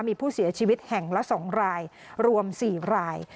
มีผู้เสียชีวิตแห่งละ๒รายรวม๔ราย